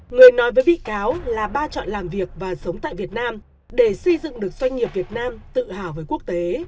người nói với bị cáo là ba chọn làm việc và sống tại việt nam để xây dựng được doanh nghiệp việt nam tự hào với quốc tế